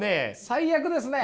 最悪ですね。